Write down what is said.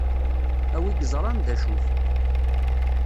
A wi iẓṛan dacu-t.